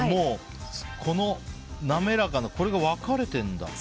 この滑らかなこれが分かれてるんだ。